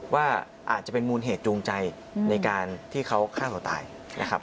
ว่าอาจจะเป็นมูลเหตุจูงใจในการที่เขาฆ่าตัวตายนะครับ